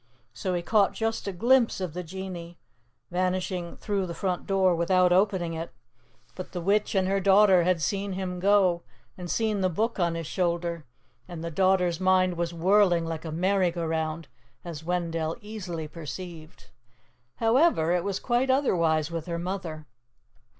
So he caught just a glimpse of the genie, vanishing through the front door without opening it. But the witch and her daughter had seen him go and seen the Book on his shoulder; and the daughter's mind was whirling like a merry go round, as Wendell easily perceived. However, it was quite otherwise with her mother.